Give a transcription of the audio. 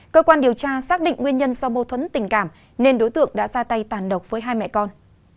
cơ quan điều tra xác định nguyên nhân do mâu thuẫn tình cảm nên đối tượng đã ra tay tàn độc với hai mẹ con